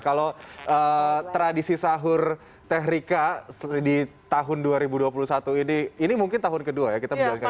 kalau tradisi sahur teh rika di tahun dua ribu dua puluh satu ini ini mungkin tahun kedua ya kita menjalankan